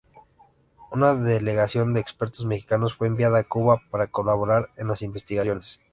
Una delegación de expertos mexicanos fue enviada a Cuba para colaborar en las investigaciones.